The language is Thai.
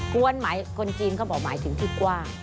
วนหมายคนจีนเขาบอกหมายถึงที่กว้าง